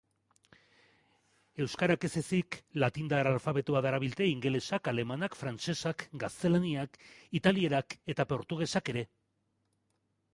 Euskarak ez ezik, latindar alfabetoa darabilte ingelesak, alemanak, frantsesak, gaztelaniak, italierak eta portugesak ere.